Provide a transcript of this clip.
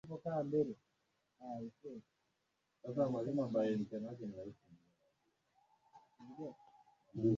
ulihojiwa na wabunge wakitaka kufahamu ni kwa bunge lisogezwe mbele